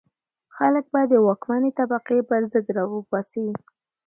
خلک به د واکمنې طبقې پر ضد را پاڅي.